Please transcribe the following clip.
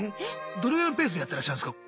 どれぐらいのペースでやってらっしゃるんすか？